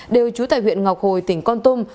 đều trú tại huyện ngọc hồi tỉnh con tuyên